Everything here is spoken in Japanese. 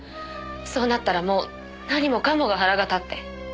そうなったらもう何もかもが腹が立って。